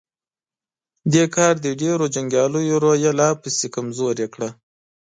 دې کار د ډېرو جنګياليو روحيه لا پسې کمزورې کړه.